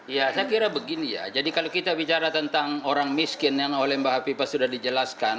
ya saya kira begini ya jadi kalau kita bicara tentang orang miskin yang oleh mbak hapipa sudah dijelaskan